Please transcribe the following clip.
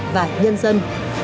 và nhân dân